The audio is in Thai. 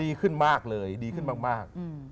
ดีขึ้นมากเลยดีขึ้นมาก